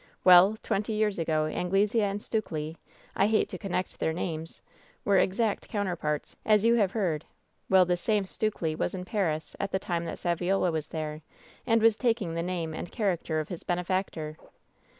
Well, twenty years ago Anglesea and Stukely — I hate to connect their names — ^were exact counterparts, as you have heard. Well, this same Stukely was in Paris at the time that Saviola was there, and was taking the name and character of his benefactor.